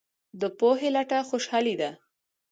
د پوهې لټه خوشحالي ده.